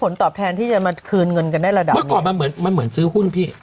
เมื่อก่อนมันเหมือนซื้อหุ้น